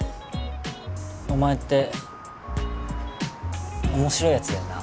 お前って面白いヤツだよな